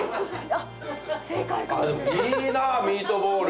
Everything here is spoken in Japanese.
ああでもいいなミートボール。